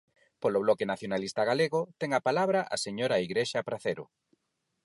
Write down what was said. Polo Bloque Nacionalista Galego ten a palabra a señora Igrexa Pracero.